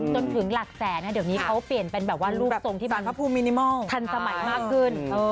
จนถึงหลักแสนเดี๋ยวนี้เขาเปลี่ยนเป็นลูกทรงที่มันทันสมัยมากขึ้น